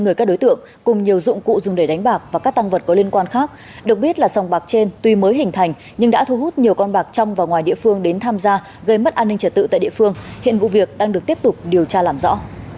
người các đối tượng cùng nhiều dụng cụ dùng để đánh bạc và các tăng vật có liên quan khác được biết là sòng bạc trên tuy mới hình thành nhưng đã thu hút nhiều con bạc trong và ngoài địa phương đến tham gia gây mất an ninh trật tự tại địa phương hiện vụ việc đang được tiếp tục điều tra làm rõ